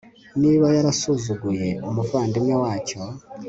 niba yarasuzuguye umuvandimwe wacyo